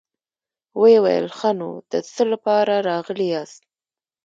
ويې ويل: ښه نو، د څه له پاره راغلي ياست؟